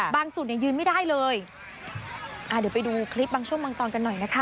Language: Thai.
จุดเนี่ยยืนไม่ได้เลยอ่าเดี๋ยวไปดูคลิปบางช่วงบางตอนกันหน่อยนะคะ